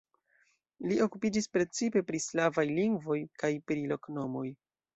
Li okupiĝis precipe pri slavaj lingvoj kaj pri loknomoj.